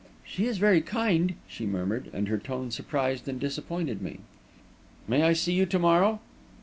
"She is very kind," she murmured, and her tone surprised and disappointed me. "May I see you to morrow?"